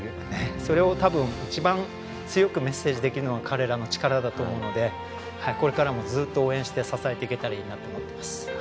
それを、たぶん一番強くメッセージできるのが彼らの力だと思うのでこれからも、ずっと応援して支えていけたらいいなと思っています。